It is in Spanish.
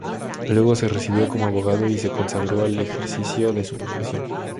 Luego se recibió como abogado y se consagró al ejercicio de su profesión.